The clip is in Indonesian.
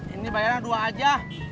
ini bayar yang dua aja